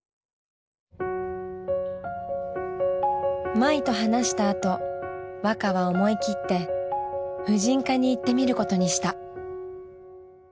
まいと話したあとわかは思い切って婦人科に行ってみることにした。